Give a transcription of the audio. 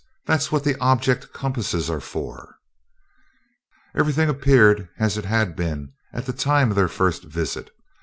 That's what object compasses are for." Everything appeared as it had been at the time of their first visit.